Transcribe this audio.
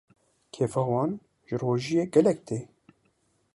kêfa wan jî rojiyê gelek tê.